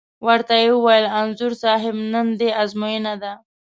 ور ته یې وویل: انځور صاحب نن دې ازموینه ده.